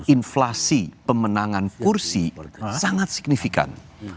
inflasi pemenangan kursi sangat signifikan